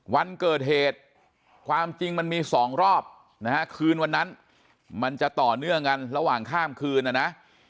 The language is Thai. วันเกิดเหตุความจริงมันมีสองรอบนะฮะคืนวันนั้นมันจะต่อเนื่องกันระหว่างข้ามคืนนะนะ